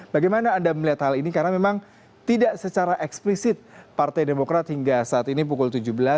bagaimana anda melihat hal ini karena memang tidak secara eksplisit partai demokrat hingga saat ini pukul tujuh belas